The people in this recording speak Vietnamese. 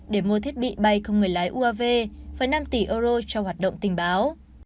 để mua thiết bị bay không người lái uav phải năm tỷ euro cho hoạt động tình báo